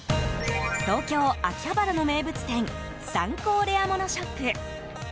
東京・秋葉原の名物店サンコーレアモノショップ。